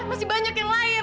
masih banyak yang lain